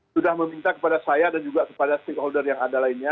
sudah meminta kepada saya dan juga kepada stakeholder yang ada lainnya